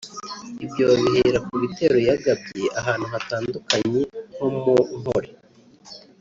Ibyo babihera ku bitero yagabye ahantu hatandukanye nko mu Nkole